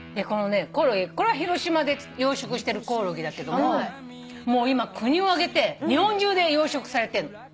これは広島で養殖してるコオロギだけども今国を挙げて日本中で養殖されてんの。